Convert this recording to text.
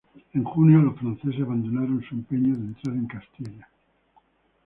En junio los franceses abandonaron su empeño de entrar en Castilla.